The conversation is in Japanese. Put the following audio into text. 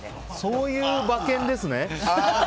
そういう馬券ですね。